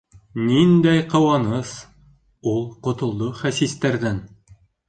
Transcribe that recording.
Ниндәй ҡыуаныс: ул котолдо хәсистәрҙән!